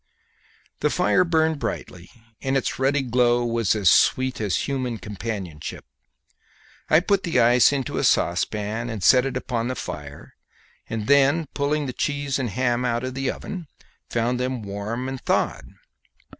The fire burned brightly, and its ruddy glow was sweet as human companionship. I put the ice into a saucepan and set it upon the fire, and then pulling the cheese and ham out of the oven found them warm and thawed.